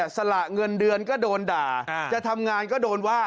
สละเงินเดือนก็โดนด่าจะทำงานก็โดนว่า